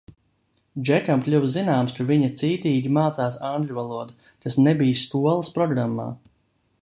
Džekam kļuva zināms, ka viņa cītīgi mācās angļu valodu, kas nebija skolas programmā.